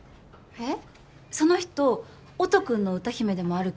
えっ？